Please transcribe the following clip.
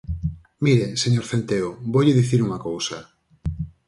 Mire, señor Centeo, voulle dicir unha cousa.